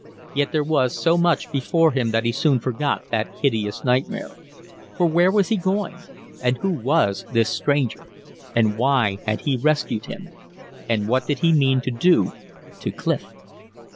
Yet there was so much before him that he soon forgot that hideous nightmare. For where was he going? And who was this stranger? And why had he rescued him? And what did he mean to do to Clif?